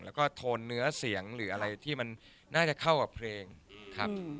แล้วก็โทนเนื้อเสียงหรืออะไรที่มันน่าจะเข้ากับเพลงครับ